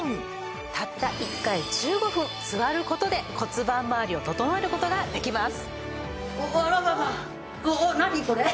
たった１回１５分座る事で骨盤まわりを整える事ができます。